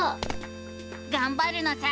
がんばるのさ！